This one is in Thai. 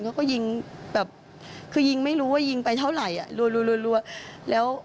เขาก็ยิงแบบคือยิงไม่รู้ว่ายิงไปเท่าไหร่อ่ะรัวแล้ว